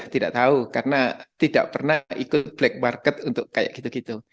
tidak tahu karena tidak pernah ikut black market untuk kayak gitu gitu